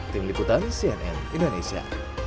tim liputan cnn indonesia